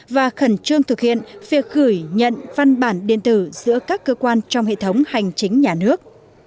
và khẩn trương thực hiện việc gửi nhận văn bản điện tử giữa các cơ quan trong hệ thống hành chính nhà nước